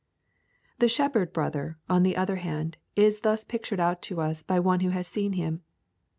The shepherd brother, on the other hand, is thus pictured out to us by one who has seen him.